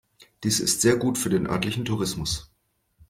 Dies ist sehr gut für den örtlichen Tourismus.